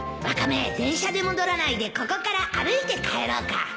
ワカメ電車で戻らないでここから歩いて帰ろうか